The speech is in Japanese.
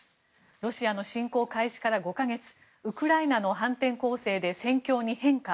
ロシアの侵攻開始から５か月ウクライナの反転攻勢で戦況に変化。